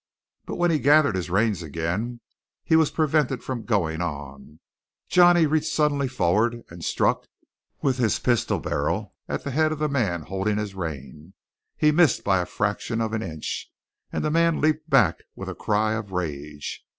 But when he gathered his reins again, he was prevented from going on. Johnny reached suddenly forward and struck with his pistol barrel at the head of the man holding his rein. He missed by the fraction of an inch; and the man leaped back with a cry of rage.